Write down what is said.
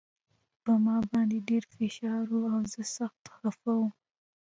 په ما باندې ډېر فشار و او زه سخت خپه وم